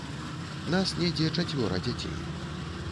Нас недзе чацвёра дзяцей.